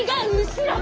後ろ！